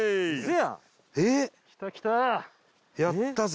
やったぜ！